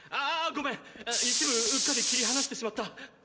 一部うっかり切り離してしまった。